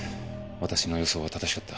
私の予想は正しかった。